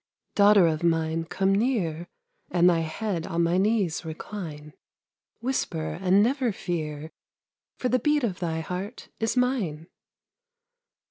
Daughter of mine, come near And thy head on my knees recline; Whisper and never fear, For the beat of thy heart is mine.